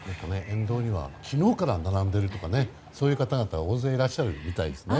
沿道には昨日から並んでいるとかそういう方々が大勢いらっしゃるみたいですね。